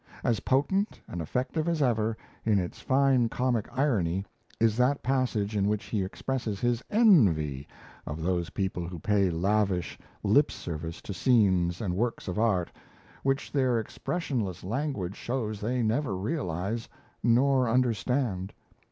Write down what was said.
As potent and effective as ever, in its fine comic irony, is that passage in which he expresses his "envy" of those people who pay lavish lip service to scenes and works of art which their expressionless language shows they neither realize nor understand.